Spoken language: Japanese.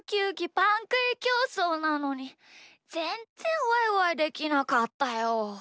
パンくいきょうそうなのにぜんぜんワイワイできなかったよ。